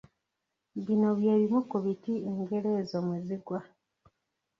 Bino bye bimu ku biti engero ezo mwe zigwa